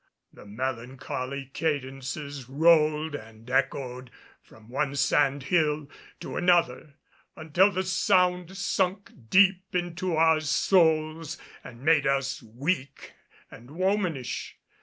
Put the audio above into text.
The melancholy cadences rolled and echoed from one sand hill to another, until the sound sunk deep into our souls and made us weak and womanish.